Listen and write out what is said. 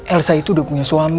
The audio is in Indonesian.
elsa itu udah punya suami